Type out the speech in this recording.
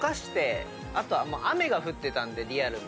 あと雨が降ってたんでリアルに。